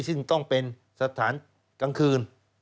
ซึ่งต้องเป็นสถานกลางคืน